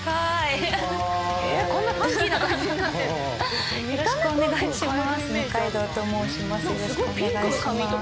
よろしくお願いします。